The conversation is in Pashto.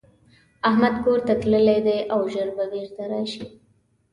احمدکورته تللی دی او ژر به بيرته راشي.